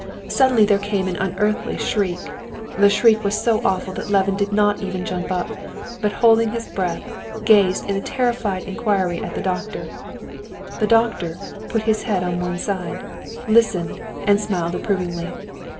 Suddenly there came an unearthly shriek. The shriek was so awful that Levin did not even jump up, but holding his breath, gazed in terrified inquiry at the doctor. The doctor put his head on one side, listened, and smiled approvingly.